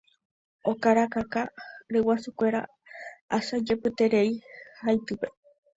Okarakaka ryguasukuéra asajepyterei haitýpe.